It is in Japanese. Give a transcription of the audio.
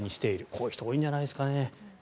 こういう人多いんじゃないですかね。